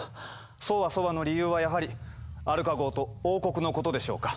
そわそわの理由はやはりアルカ号と王国のことでしょうか？